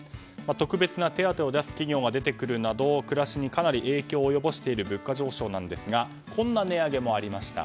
特別な手当てを出す企業が出るなど影響が出てきている物価上昇ですがこんな値上げもありました。